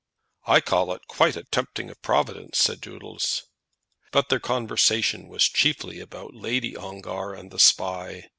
"I call it quite a tempting of Providence," said Doodles. But their conversation was chiefly about Lady Ongar and the Spy.